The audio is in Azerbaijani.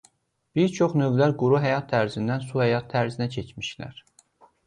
Bir çox növlər quru həyat tərzindən su həyat tərzinə keçmişlər.